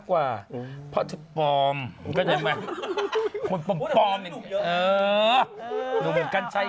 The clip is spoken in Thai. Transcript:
ทำไมทำไมคุณหนักคืนนี้